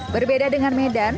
berbeda dengan medan